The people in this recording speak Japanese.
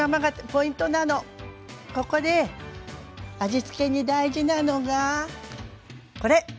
ここで味付けに大事なのがこれ！